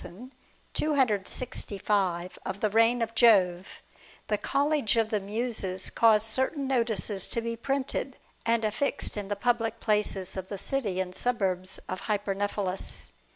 In the year 833,265 of the reign of Jove, the Col lege of the Muses caused certain notices to be printed and affixed in the public places of the city and suburbs of Hypernephelus.